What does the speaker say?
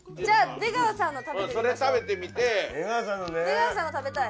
出川さんの食べたい！